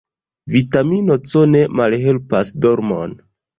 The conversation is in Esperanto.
Vitamino C ne malhelpas dormon.